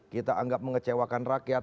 kita anggap mengecewakan rakyat